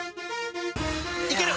いける！